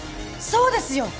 そうですよ！